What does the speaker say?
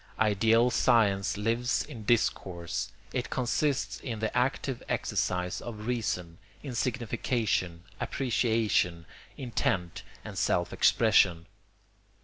Ideal science lives in discourse; it consists in the active exercise of reason, in signification, appreciation, intent, and self expression.